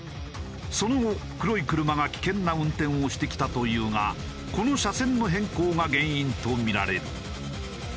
その後黒い車が危険な運転をしてきたというがこの車線の変更が原因とみられる。